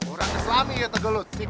orang islami ya tegelut